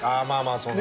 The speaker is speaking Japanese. あそうね。